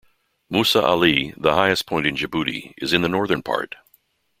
Mousa Ali, the highest point in Djibouti is in the northern part.